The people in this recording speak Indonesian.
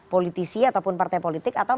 politisi ataupun partai politik atau